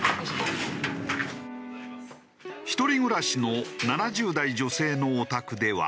一人暮らしの７０代女性のお宅では。